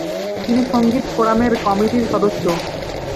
তিনি সংগীত ফোরামের কমিটির সদস্য।